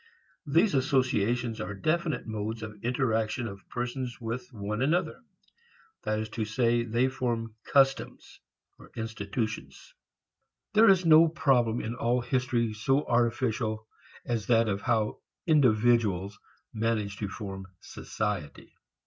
These associations are definite modes of interaction of persons with one another; that is to say they form customs, institutions. There is no problem in all history so artificial as that of how "individuals" manage to form "society."